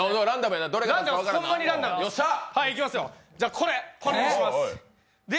じゃ、これにします。